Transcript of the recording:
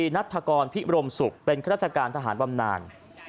๑๐๓นัตรกรพิบรมศุกร์เป็นราชการทหารบำนาน